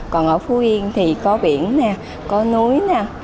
còn ở phú yên thì có biển có núi